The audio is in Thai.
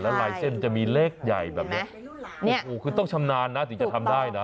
ลายเส้นจะมีเลขใหญ่แบบนี้โอ้โหคือต้องชำนาญนะถึงจะทำได้นะ